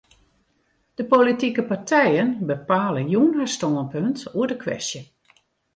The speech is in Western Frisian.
De politike partijen bepale jûn har stânpunt oer de kwestje.